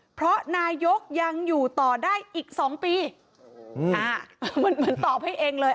เพราะนายกยังอยู่ต่อได้อีกสองปีมันตอบให้เองเลย